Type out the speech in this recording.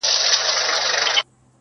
چي دي کرلي درته رسیږي -